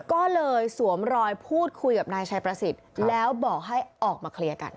ก็เลยสวมรอยพูดคุยกับนายชัยประสิทธิ์แล้วบอกให้ออกมาเคลียร์กัน